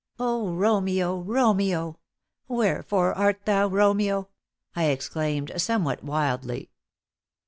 "O, Romeo, Romeo! wherefore art thou, Romeo?" I exclaimed, somewhat wildly.